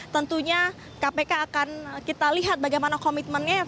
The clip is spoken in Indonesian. tentunya kpk akan kita lihat bagaimana komitmennya